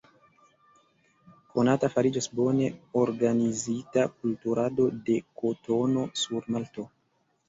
Konata fariĝas bone organizita kulturado de kotono sur Malto.